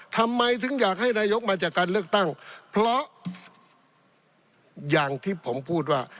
ทำไมถึงอยากให้นายกมาจากการเลือกตั้งเพราะอย่างที่ผมพูดว่า